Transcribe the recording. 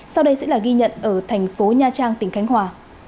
sau đây sẽ là ghi nhận ở thành phố nha trang tỉnh khánh hòa